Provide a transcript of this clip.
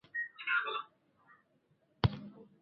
Jeshi hilo linasisitiza kwamba wanajeshi hao wawili ni wa Rwanda